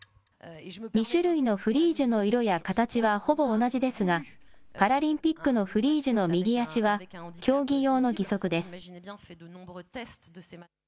２種類のフリージュの色や形はほぼ同じですが、パラリンピックのフリージュの右足は競技用の義足です。